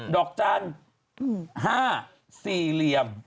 ดอกจันทร์๕๔เหลี่ยม